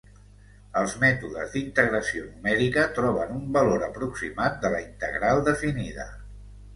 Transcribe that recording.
Els mètodes d'integració numèrica troben un valor aproximat de la integral definida.